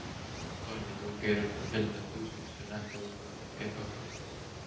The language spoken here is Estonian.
Tormituul keerutab helbed tuisuks ja nähtavus muutub kehvaks.